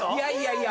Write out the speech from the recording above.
⁉いや